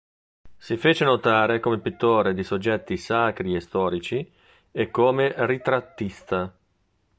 Si fece notare come pittore di soggetti sacri e storici e come ritrattista.